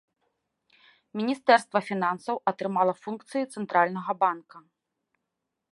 Міністэрства фінансаў атрымала функцыі цэнтральнага банка.